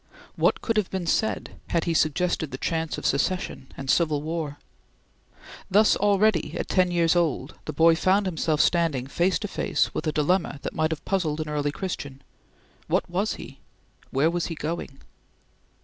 What would have been said had he suggested the chance of Secession and Civil War? Thus already, at ten years old, the boy found himself standing face to face with a dilemma that might have puzzled an early Christian. What was he? where was he going?